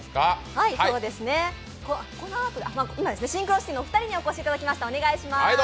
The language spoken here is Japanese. シンクロニシティのお二人にお越しいただきました。